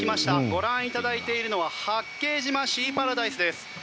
ご覧いただいているのは八景島シーパラダイスです。